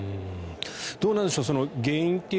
どうなんでしょう